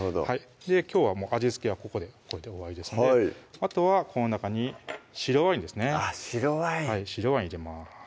きょうは味付けはここでこれで終わりですのであとはこの中に白ワインですねあっ白ワイン白ワイン入れます